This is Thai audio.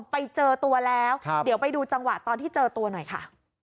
ไปเจอตัวแล้วเดี๋ยวไปดูจังหวะตอนที่เจอตัวหน่อยค่ะ